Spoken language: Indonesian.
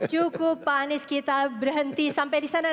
cukup pak anies kita berhenti sampai di sana